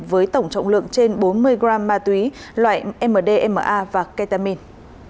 với tổng trọng lượng trên bốn mươi gram ma túy loại mdma và ketamin